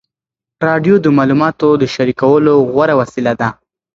راډیو د معلوماتو د شریکولو غوره وسیله ده.